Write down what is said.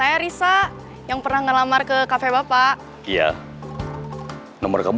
dari orang yang hampir bikin saya influential